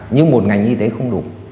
nhưng một ngành y tế không đủ